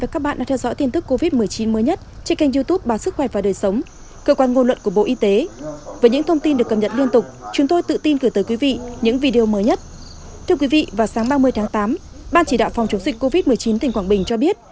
các bạn hãy đăng ký kênh để ủng hộ kênh của chúng mình nhé